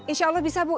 insya allah bisa bu